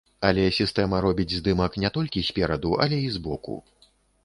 Але сістэма робіць здымак не толькі спераду, але і збоку.